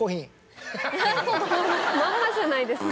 まんまじゃないですか。